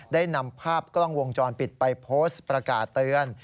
ได้นำภาพกล้องวงจรปิดไปโพสต์ประกาศเตือน